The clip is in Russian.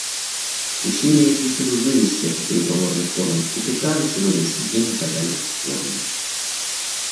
Усилия и призывы вывести этот переговорный форум из тупика на сегодняшний день оказались бесплодными.